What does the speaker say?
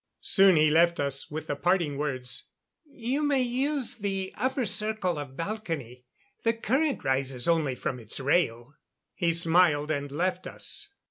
Soon he left us, with the parting words: "You may use the upper circle of balcony. The current rises only from its rail." He smiled and left us.